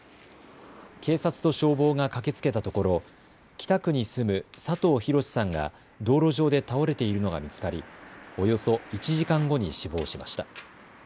警察と消防が駆けつけたところ北区に住む佐藤浩さんが道路上で倒れているのが見つかりおよそ１時間後に死亡しました。